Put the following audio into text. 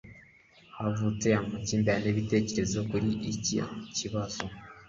Havutse amakimbirane y'ibitekerezo kuri icyo kibazo